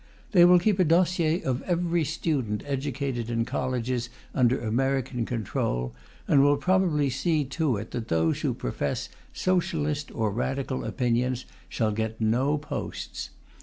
They will keep a dossier of every student educated in colleges under American control, and will probably see to it that those who profess Socialist or Radical opinions shall get no posts.